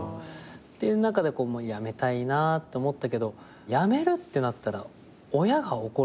っていう中でやめたいなと思ったけどやめるってなったら親が怒るって思ってて。